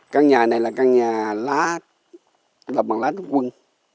căn nhà này là căn nhà lá là bằng lá rút quân